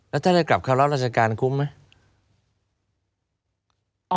แล้วท่านได้กลับเข้ารับราชการคุ้มไหม